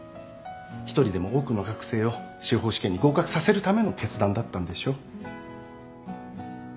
一人でも多くの学生を司法試験に合格させるための決断だったんでしょう。